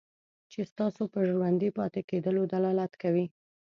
چې ستاسو په ژوندي پاتې کېدلو دلالت کوي.